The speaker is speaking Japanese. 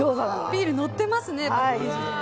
ビール、載ってますね。